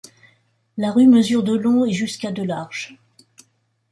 La rue mesure de long et jusqu'à de large.